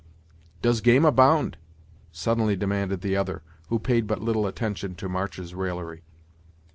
"Does game abound!" suddenly demanded the other, who paid but little attention to March's raillery.